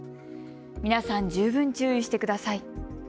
皆さん、十分注意してくだい。